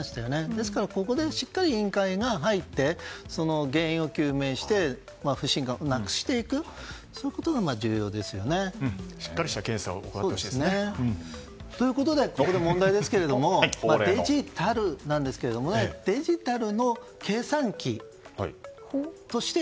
ですから、ここでしっかり委員会が入ってその原因を究明して不信感をなくしていくことがしっかりした検査をということでここで問題ですけれどもデジタルなんですがデジタルの計算機として